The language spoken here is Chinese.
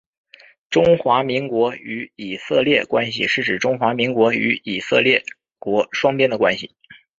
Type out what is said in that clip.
中华民国与以色列关系是指中华民国与以色列国双边的关系。